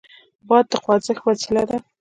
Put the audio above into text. باد د خوځښت وسیله ده.